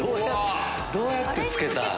どうやって付けたん？